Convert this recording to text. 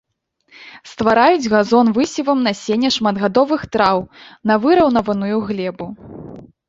Ствараюць газон высевам насення шматгадовых траў на выраўнаваную глебу.